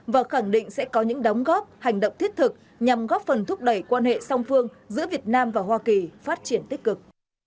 và khẳng định sẽ có những đóng góp hành động thiết thực nhằm góp phần thúc đẩy quan hệ song phương giữa việt nam và hoa kỳ phát triển tích cực